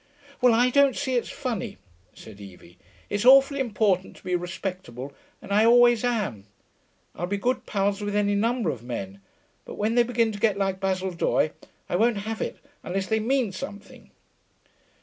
'Well, I don't see it's funny,' said Evie. 'It's awfully important to be respectable, and I always am. I'll be good pals with any number of men, but when they begin to get like Basil Doye I won't have it unless they mean something.'